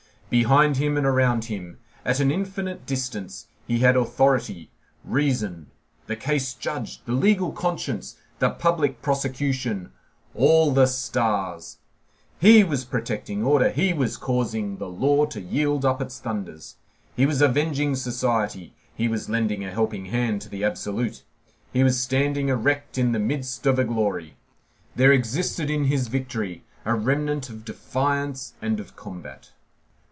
Behind him and around him, at an infinite distance, he had authority, reason, the case judged, the legal conscience, the public prosecution, all the stars; he was protecting order, he was causing the law to yield up its thunders, he was avenging society, he was lending a helping hand to the absolute, he was standing erect in the midst of a glory. There existed in his victory a remnant of defiance and of combat.